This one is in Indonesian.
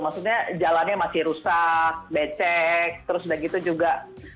maksudnya jalannya masih rusak becek terus udah gitu juga